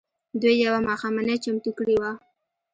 دوی يوه ماښامنۍ چمتو کړې وه.